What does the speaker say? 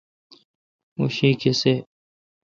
اں شی کسے°